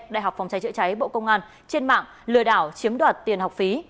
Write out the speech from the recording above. đại học phòng cháy chữa cháy bộ công an trên mạng lừa đảo chiếm đoạt tiền học phí